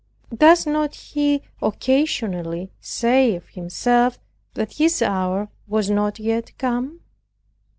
Does not He occasionally say of Himself, that His hour was not yet come?